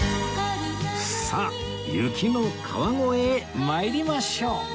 さあ雪の川越へ参りましょう